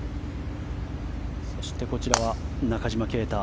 そしてこちらは中島啓太。